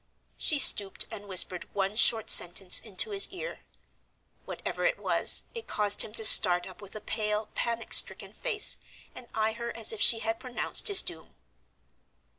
She stooped and whispered one short sentence into his ear. Whatever it was it caused him to start up with a pale, panic stricken face, and eye her as if she had pronounced his doom.